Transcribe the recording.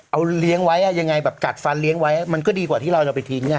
เอาเลี้ยงไว้ยังไงแบบกัดฟันเลี้ยงไว้มันก็ดีกว่าที่เราจะไปทิ้ง